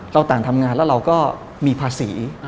ต่างทำงานแล้วเราก็มีภาษี